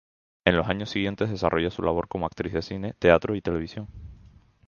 En los años siguientes desarrolla su labor como actriz en cine, teatro y televisión.